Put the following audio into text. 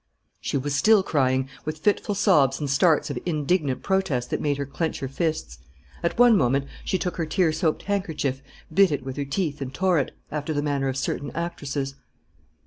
She was still crying, with fitful sobs and starts of indignant protest that made her clench her fists. At one moment she took her tear soaked handkerchief, bit it with her teeth and tore it, after the manner of certain actresses.